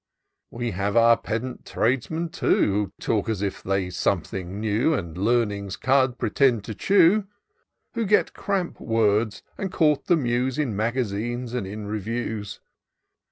We have our pedant tradesmen too. Who talk as if they something knew, And learning's cud pretend to chew : Who get cramp words, and court the Muse In magazines and in reviews.